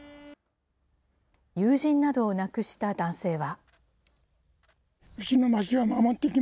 友人などを亡くした男性は。